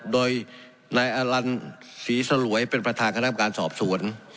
โดยนายอลันศรีสลวยเป็นประธานคณะกรรมการสอบสวน